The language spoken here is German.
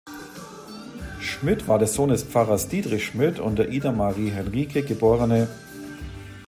Schmidt war der Sohn des Pfarrers Diedrich Schmidt und der Ida Marie Henrike geb.